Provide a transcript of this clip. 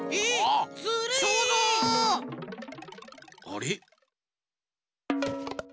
あれ？